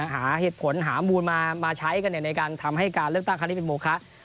หาเหตุผลหามูลมาใช้กันในการทำให้การเลือกตั้งครั้งนี้เป็นโมคะ